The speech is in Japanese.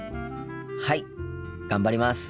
はい頑張ります。